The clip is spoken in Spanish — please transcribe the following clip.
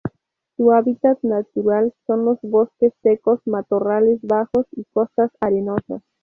Su hábitat natural son los bosques secos, matorrales bajos y costas arenosas.